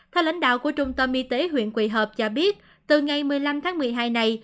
theo lãnh đạo của trung tâm y tế huyện quỳ hợp cho biết từ ngày một mươi năm tháng một mươi hai này